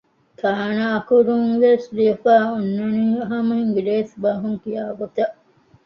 ތާނައަކުރުން ވެސް ލިޔެފައި އޮންނަނީ ހަމަ އިނގިރޭސިބަހުން ކިޔާ ގޮތަށް